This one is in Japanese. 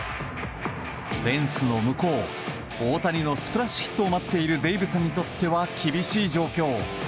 フェンスの向こう、大谷のスプラッシュヒットを待っているデイブさんにとっては厳しい状況。